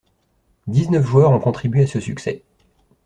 Dix-neuf joueurs ont contribué à ce succès.